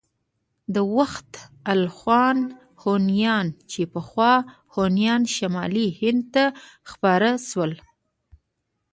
دا وخت الخون هونيان چې پخوا هونيان شمالي هند ته خپاره شول.